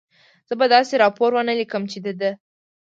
زه به داسې راپور و نه لیکم، چې د ده.